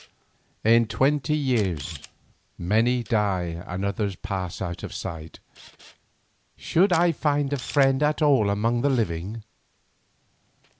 In twenty years many die and others pass out of sight; should I find a friend at all among the living?